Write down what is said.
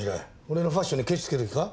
俺のファッションにケチつける気か？